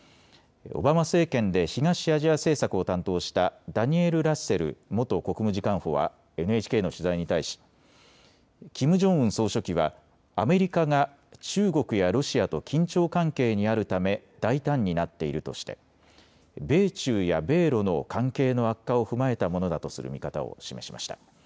オバマ政権で東アジア政策を担当したダニエル・ラッセル元国務次官補はＮＨＫの取材に対し、キム・ジョンウン総書記はアメリカが中国やロシアと緊張関係にあるため大胆になっているとして米中や米ロの関係の悪化を踏まえたものだとする見方を示しました。